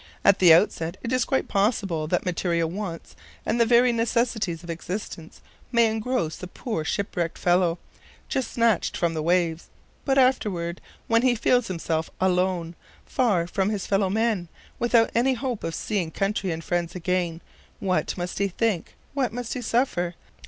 At the outset it is quite possible that material wants and the very necessities of existence may engross the poor shipwrecked fellow, just snatched from the waves; but afterward, when he feels himself alone, far from his fellow men, without any hope of seeing country and friends again, what must he think, what must he suffer?